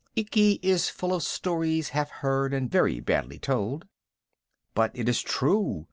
Ikki is full of stories half heard and very badly told." "But it is true.